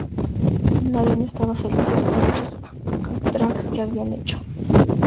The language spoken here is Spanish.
No habían estado felices con muchos tracks que habían hecho, así que hicieron más.